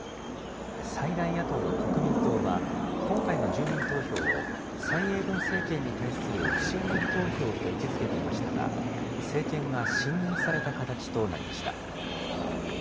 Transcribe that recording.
最大野党の国民党は、今回の住民投票を蔡英文政権に対する不信任投票と位置づけていましたが、政権が信任された形となりました。